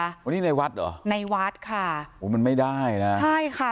วันนี้ในวัดเหรอในวัดค่ะโอ้มันไม่ได้นะใช่ค่ะ